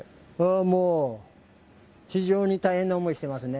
もう、非常に大変な思いしてますね。